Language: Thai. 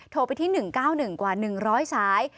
โทรไปที่๑๙๑กว่า๑๐๐สาย